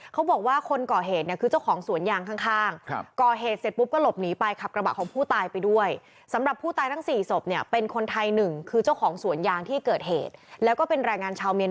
เขาบอกว่าคนก่อเหตุคือเจ้าของสวนยางข้าง